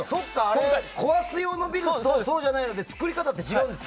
壊すようのビルとそうじゃないので違うんですか。